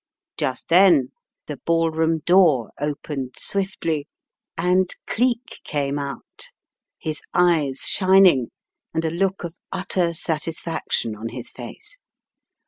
Just then the ballroom door opened swiftly and Cleek came out, his eyes shining and a look of utter satisfaction on his face.